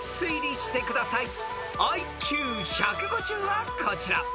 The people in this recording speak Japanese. ［ＩＱ１５０はこちら］